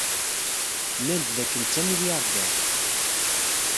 Nnan-d dakken d tamelyaṛdirt.